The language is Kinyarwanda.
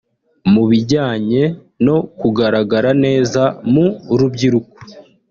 Mu bijyanye no kugaragara neza ku rubyiniro